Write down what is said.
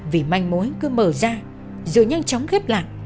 vì manh mối cứ mở ra dựa nhanh chóng ghép lạc